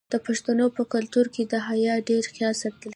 د پښتنو په کلتور کې د حیا ډیر خیال ساتل کیږي.